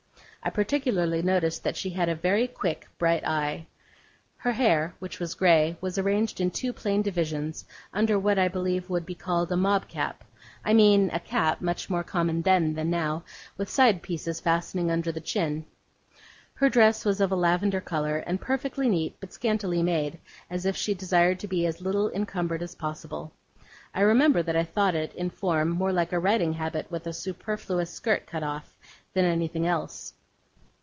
I particularly noticed that she had a very quick, bright eye. Her hair, which was grey, was arranged in two plain divisions, under what I believe would be called a mob cap; I mean a cap, much more common then than now, with side pieces fastening under the chin. Her dress was of a lavender colour, and perfectly neat; but scantily made, as if she desired to be as little encumbered as possible. I remember that I thought it, in form, more like a riding habit with the superfluous skirt cut off, than anything else.